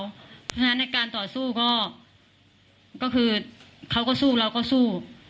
เพราะฉะนั้นในการต่อสู้ก็คือเขาก็สู้เราก็สู้